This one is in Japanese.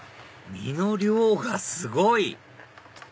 身の量がすごい！